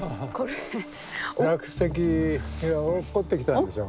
落石落っこってきたんでしょ。